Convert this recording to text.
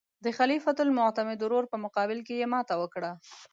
د خلیفه المعتمد ورور په مقابل کې یې ماته وکړه.